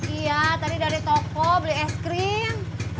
iya tadi dari toko beli es krim